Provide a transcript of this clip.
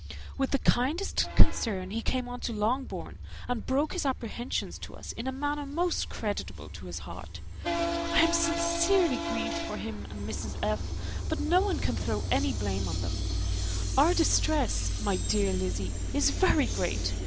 With the kindest concern he came on to Longbourn, and broke his apprehensions to us in a manner most creditable to his heart. I am sincerely grieved for him and Mrs. F.; but no one can throw any blame on them. Our distress, my dear Lizzy, is very great.